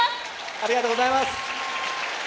ありがとうございます！